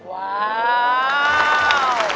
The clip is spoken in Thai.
ว้าว